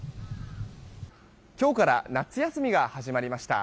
今日から夏休みが始まりました。